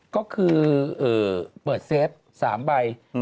ก็คือเปิดเซฟ๓ใบ